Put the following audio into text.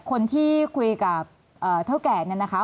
คนที่คุยกับเท่าแก่เนี่ยนะคะ